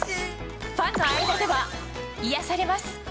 ファンの間では、癒やされます。